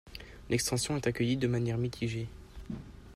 L'extension est accueillie de manière mitigée.